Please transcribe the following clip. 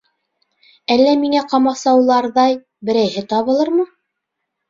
Әллә миңә ҡамасауларҙай берәйһе табылырмы?